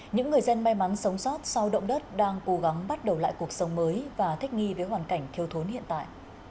những người dân may mắn sống sót sau động đất đang cố gắng bắt đầu lại cuộc sống mới và thích nghi với hoàn cảnh thiếu thốn hiện tại